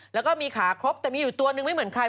แล้วก็มีขาครบแต่มีอยู่ตัวนึงไม่เหมือนใคร